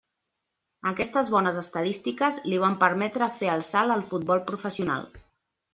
Aquestes bones estadístiques li van permetre fer el salt al futbol professional.